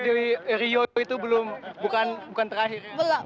jadi bonusnya disimpan kembali ke terakhir dulu lah